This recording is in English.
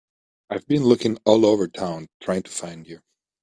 I've been looking all over town trying to find you.